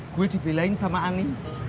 gue dibelain sama ani